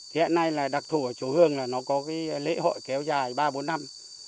thì hiện nay là đặc thủ ở chỗ hương là nó có cái lễ hội kéo dài ba bốn năm